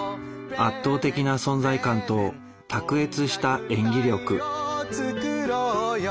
圧倒的な存在感と卓越した演技力。